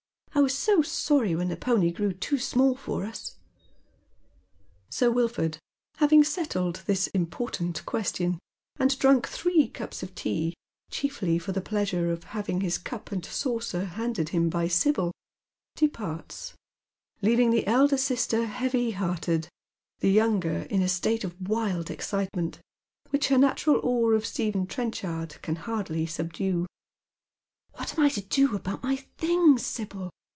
I was so sorry when the pony grew too small for us." Sir Wilford, having settled this important question, and drunk three cups of tea, chiefly for the pleasure of having his cup and saucer handed him by Sibyl, departs, leaving the elder sister heavy hearted, the younger in a state of wild excitement, which her natural awe of Stephen Trenchard can hardly subdue. " What am I to do about my things, Sibyl